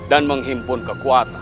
dan menghimpun kekuatan